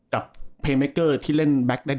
ได้เลย